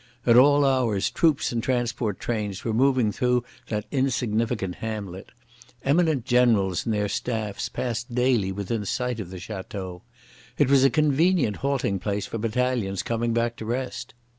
At all hours troops and transport trains were moving through that insignificant hamlet. Eminent generals and their staffs passed daily within sight of the Château. It was a convenient halting place for battalions coming back to rest.